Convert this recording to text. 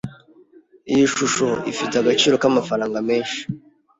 Iyi shusho ifite agaciro k'amafaranga menshi.